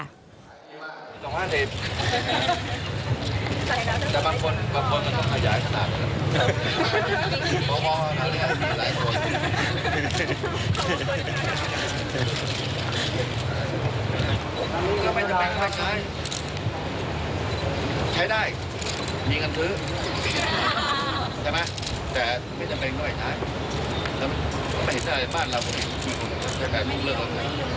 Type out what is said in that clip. แต่ไม่จำเป็นหน่วยนะบ้านเราก็มีคนก็มีคน